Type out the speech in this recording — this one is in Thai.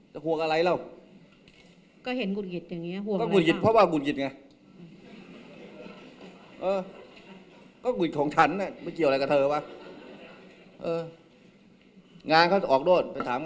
ท่านนายโยคห่วงอะไรบ้าง